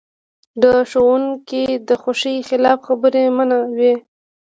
د ښوونکي د خوښې خلاف خبرې منع وې.